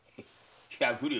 百両。